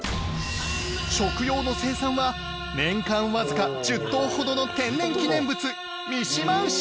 食用の生産は年間わずか１０頭ほどの天然記念物見島牛